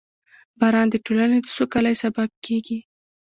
• باران د ټولنې د سوکالۍ سبب کېږي.